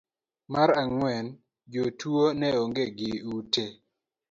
mar ang'wen jotuwo ne onge gi ute